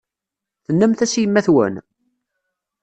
Tennam-as i yemma-twen?